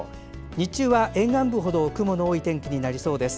日中は沿岸部ほど雲の多い天気になりそうです。